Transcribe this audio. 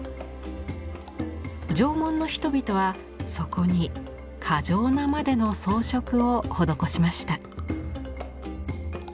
縄文の人々はそこに過剰なまでの装飾を施しました。